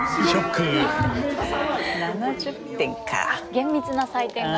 厳密な採点が。